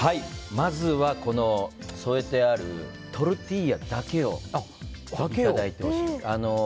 まずはこの添えてあるトルティーヤだけをいただいてほしいです。